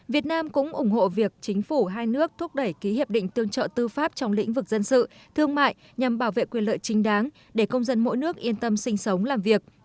việt nam cũng ủng hộ việc chính phủ hai nước thúc đẩy ký hiệp định tương trợ tư pháp trong lĩnh vực dân sự thương mại nhằm bảo vệ quyền lợi trinh đáng để công dân mỗi nước yên tâm sinh sống làm việc